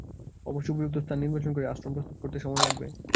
অবশ্য উপযুক্ত স্থান নির্বাচন করে আশ্রম প্রস্তুত করতে সময় লাগবে।